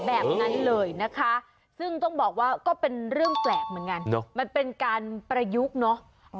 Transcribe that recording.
แบบนั้นเลยนะคะซึ่งต้องบอกว่าก็เป็นเรื่องแปลกเหมือนกันมันเป็นการประยุกต์เนอะ